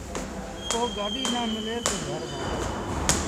ڪو گآڏيٚ نا ملي تا گھر وهآن۔